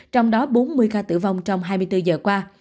trong đó bốn mươi ca tử vong trong hai mươi bốn giờ qua